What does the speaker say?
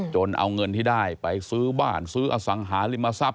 เอาเงินที่ได้ไปซื้อบ้านซื้ออสังหาริมทรัพย